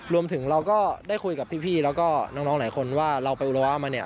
รวมถึงเราก็ได้คุยกับพี่แล้วก็น้องหลายคนว่าเราไปอุระวะมาเนี่ย